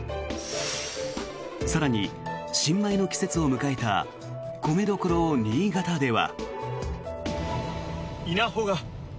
更に、新米の季節を迎えた米どころ、新潟では。